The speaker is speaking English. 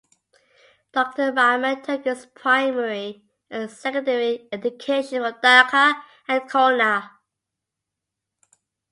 Doctor Rahman took his primary and secondary education from Dhaka and Khulna.